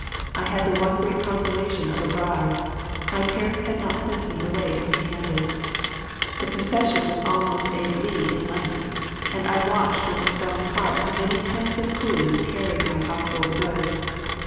I had the one great consolation of a bride, my parents had not sent me away empty handed. The procession was almost a li in length and I watched with a swelling heart the many tens of coolies carrying my household goods.